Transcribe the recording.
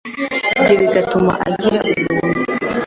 ibyo bigatuma agira ubumuntu